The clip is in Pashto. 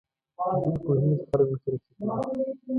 دوی پوهېږي خلک ورسره څه کوي.